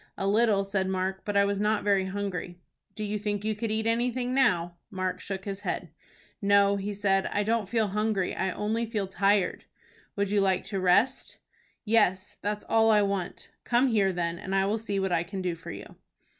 "A little," said Mark, "but I was not very hungry." "Do you think you could eat anything now?" Mark shook his head. "No," he said, "I don't feel hungry. I only feel tired." "Would you like to rest?" "Yes. That's all I want." "Come here then, and I will see what I can do for you."